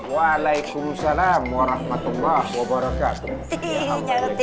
waalaikumsalam warahmatullah wabarakatuh